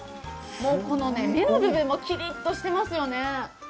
この目の部分もきりっとしていますよね。